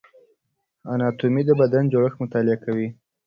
اناتومي د بدن جوړښت مطالعه کوي